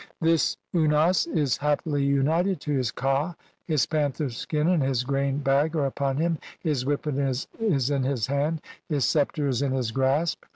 This Unas is "happily united to his ka, his panther skin and his "grain bag are upon him, his whip is in his hand, his "sceptre is in his grasp.